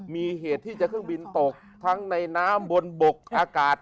มีเหตุที่จะเครื่องบินตกทั้งในน้ำบนบกอากาศ